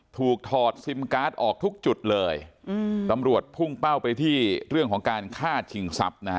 ถอดซิมการ์ดออกทุกจุดเลยอืมตำรวจพุ่งเป้าไปที่เรื่องของการฆ่าชิงทรัพย์นะฮะ